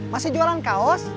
masih jualan kaos